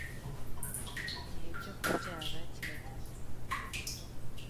igihe cyo kubyara kirageze